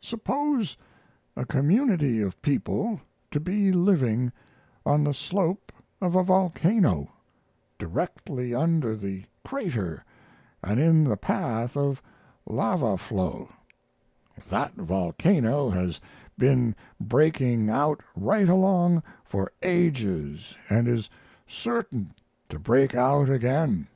Suppose a community of people to be living on the slope of a volcano, directly under the crater and in the path of lava flow; that volcano has been breaking out right along for ages and is certain to break out again.